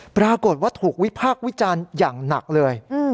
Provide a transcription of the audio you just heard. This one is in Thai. ปรากฏว่าถูกวิพากษ์วิจารณ์อย่างหนักเลย